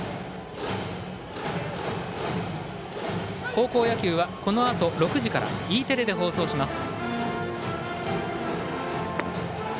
高校野球は、このあと６時からＥテレで放送します。